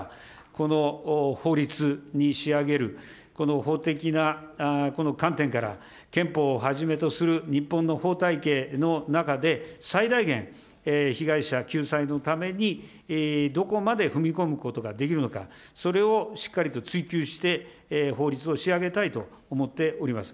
この法律に仕上げる、法的な観点から、憲法をはじめとする日本の法体系の中で、最大限、被害者救済のためにどこまで踏み込むことができるのか、それをしっかりと追及して、法律を仕上げたいと思っております。